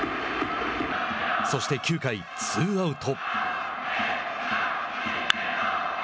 そして、９回ツーアウト。